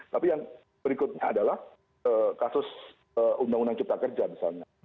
tapi yang berikutnya adalah kasus undang undang cipta kerja misalnya